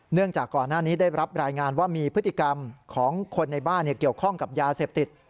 จากก่อนหน้านี้ได้รับรายงานว่ามีพฤติกรรมของคนในบ้านเกี่ยวข้องกับยาเสพติด